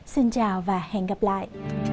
xin chào và hẹn gặp lại